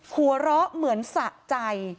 หัวเราะเหมือนสะใจ